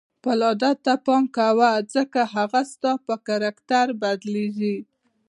خپل عادت ته پام کوه ځکه هغه ستا په کرکټر بدلیږي.